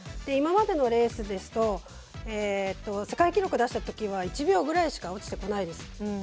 今までのレースですと世界記録出したときは１秒ぐらいしか落ちてこないです。